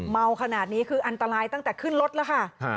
เมาขนาดนี้คืออันตรายตั้งแต่ขึ้นรถแล้วค่ะ